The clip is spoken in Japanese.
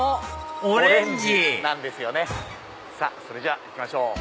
さぁそれじゃ行きましょう。